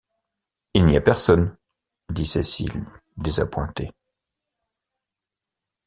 Il n’y a personne, dit Cécile désappointée.